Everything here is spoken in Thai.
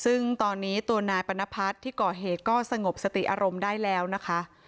ซึ่งตอนนี้ตัวนายปรณพัฒน์ที่ก่อเหตุก็สงบสติอารมณ์ได้แล้วนะคะ